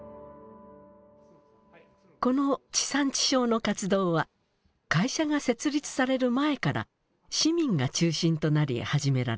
この地産地消の活動は会社が設立される前から市民が中心となり始められました。